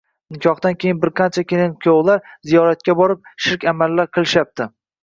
nikohdan keyin birqancha kelin-kuyovlar “ziyoratga” borib, shirk amallar qilishyapti.